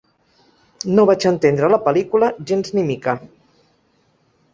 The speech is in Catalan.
No vaig entendre la pel·lícula gens ni mica.